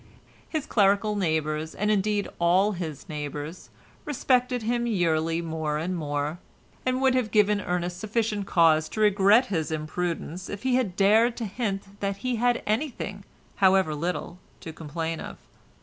His clerical neighbours, and indeed all his neighbours, respected him yearly more and more, and would have given Ernest sufficient cause to regret his imprudence if he had dared to hint that he had anything, however little, to complain of.